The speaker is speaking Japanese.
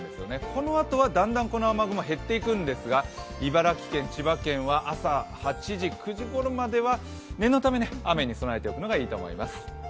このあとはだんだんこの雨雲減っていくんですが、茨城県、千葉県は朝８時、９時ごろまでは念のため雨に備えておくのがいいと思います。